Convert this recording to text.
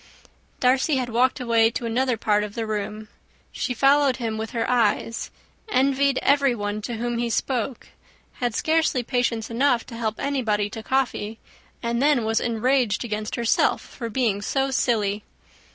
Darcy had walked away to another part of the room. She followed him with her eyes, envied everyone to whom he spoke, had scarcely patience enough to help anybody to coffee, and then was enraged against herself for being so silly!